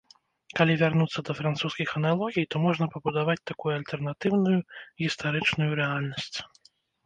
Калі вярнуцца да французскіх аналогій, то можна пабудаваць такую альтэрнатыўную гістарычную рэальнасць.